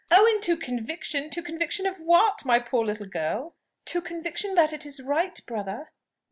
"Owing to conviction? To conviction of what, my poor little girl?" "To conviction that it is right, brother."